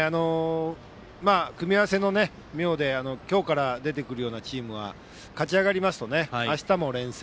組み合わせの妙で今日から出てくるようなチームは勝ち上がりますとあしたも連戦。